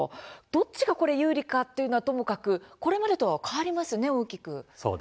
どっちがこれ有利かっていうのはともかく、これまでとは変わりますね、大きく。